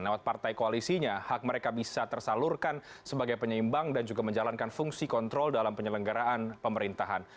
lewat partai koalisinya hak mereka bisa tersalurkan sebagai penyeimbang dan juga menjalankan fungsi kontrol dalam penyelenggaraan pemerintahan